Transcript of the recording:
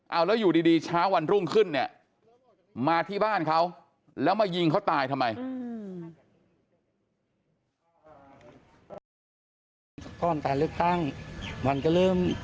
เอาแล้วอยู่ดีเช้าวันรุ่งขึ้นเนี่ยมาที่บ้านเขาแล้วมายิงเขาตายทำไม